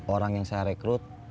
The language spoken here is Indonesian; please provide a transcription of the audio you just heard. orang yang saya rekrut